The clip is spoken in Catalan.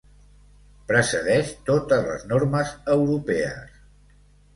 Precedeix totes les normes europees.